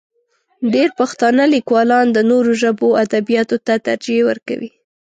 ډېری پښتانه لیکوالان د نورو ژبو ادبیاتو ته ترجیح ورکوي.